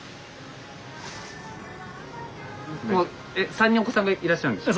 ３人お子さんがいらっしゃるんですか？